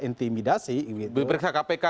intimidasi itu berperiksa kpk